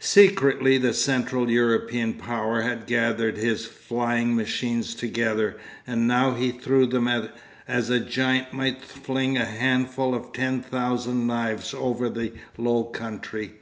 Secretly the Central European power had gathered his flying machines together, and now he threw them as a giant might fling a handful of ten thousand knives over the low country.